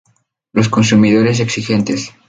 Los consumidores exigentes.